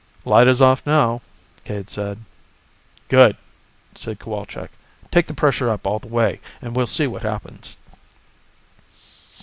"Light is off now," Cade said. "Good," said Cowalczk, "take the pressure up all the way, and we'll see what happens."